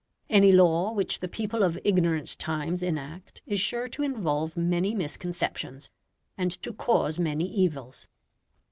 Any law which the people of ignorant times enact is sure to involve many misconceptions, and to cause many evils.